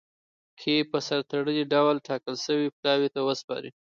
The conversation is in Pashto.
کي په سر تړلي ډول ټاکل سوي پلاوي ته وسپاري.